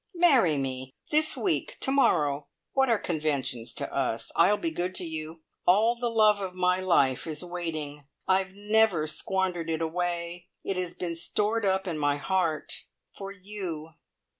Marry me! This week, to morrow what are conventions to us? I'll be good to you. All the love of my life is waiting I've never squandered it away. It has been stored up in my heart for you."